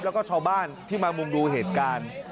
แล้วก็ชาวบ้านที่มามุงดูเหตุการณ์